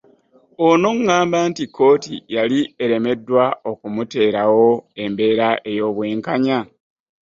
Ono ng'agamba nti kkooti yali eremeddwa okumuteerawo embeera ey'obwenkanya